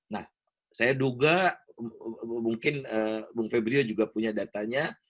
nah saya duga mungkin bung febrio juga punya datanya